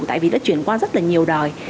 tại vì nó chuyển qua rất là nhiều đời